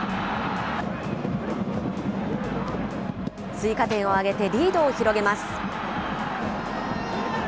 追加点を挙げて、リードを広げます。